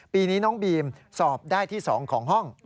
ปีนี้น้องบีมสอบได้ที่๒ของห้อง